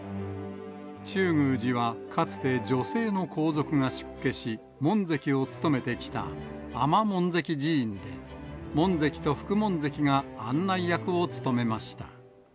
中宮寺はかつて女性の皇族が出家し、門跡を務めてきた尼門跡寺院で、門跡と副門跡が案内役を務めました。